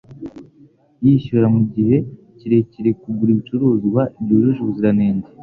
Yishyura mugihe kirekire kugura ibicuruzwa byujuje ubuziranenge